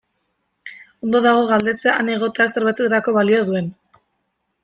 Ondo dago galdetzea han egoteak zerbaitetarako balio duen.